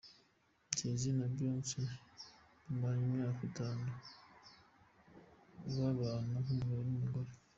Jay-Z na Beyonce bamaranye imyaka itanu babana nk'umugabo n'umugore.